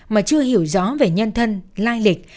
mà chưa hiểu rõ về nhân thân lai lịch